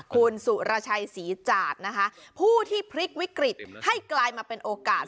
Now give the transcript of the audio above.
คุณสุรชัยศรีจาดนะคะผู้ที่พลิกวิกฤตให้กลายมาเป็นโอกาส